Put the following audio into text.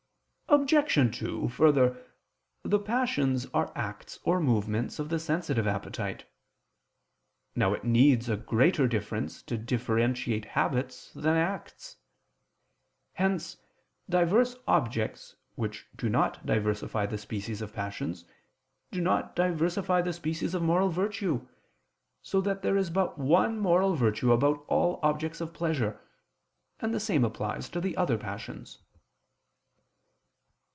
Obj. 2: Further, the passions are acts or movements of the sensitive appetite. Now it needs a greater difference to differentiate habits than acts. Hence diverse objects which do not diversify the species of passions, do not diversify the species of moral virtue: so that there is but one moral virtue about all objects of pleasure, and the same applies to the other passions.